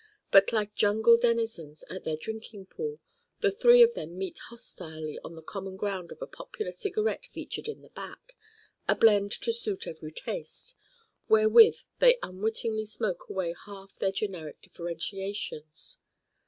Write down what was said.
But like jungle denizens at their drinking pool the three of them meet hostilely on the common ground of a popular Cigarette featured in the Back a blend to suit every taste wherewith they unwittingly smoke away half their generic differentiations.